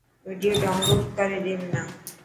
وڊيو ڊائونلوڊ ڪري ڏي منا.